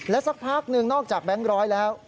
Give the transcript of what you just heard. สักพักหนึ่งนอกจากแบงค์ร้อยแล้ว